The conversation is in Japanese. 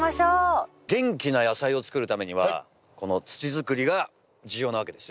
元気な野菜を作るためにはこの土づくりが重要なわけですよね？